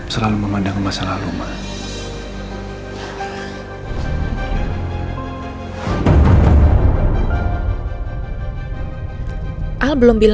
selalu memandang ke masa lalu ma